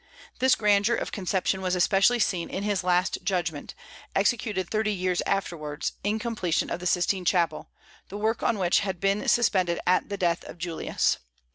This grandeur of conception was especially seen in his Last Judgment, executed thirty years afterwards, in completion of the Sistine Chapel, the work on which had been suspended at the death of Julius.